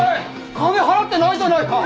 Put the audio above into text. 金払ってないじゃないか！